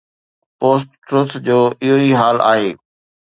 Post-Truth جو اهو ئي حال آهي.